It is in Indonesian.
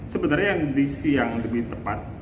sebenarnya yang diisi yang lebih tepat